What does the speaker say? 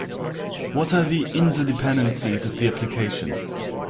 What are the interdependencies of the application?